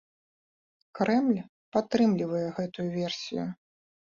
Крэмль падтрымлівае гэтую версію.